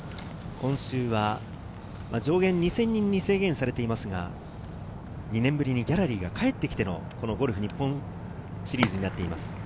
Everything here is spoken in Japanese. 今週は上限２０００人に制限されていますが、２年ぶりにギャラリーが帰ってきてのゴルフ日本シリーズになっています。